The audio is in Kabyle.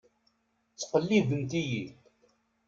Ttqellibent-iyi.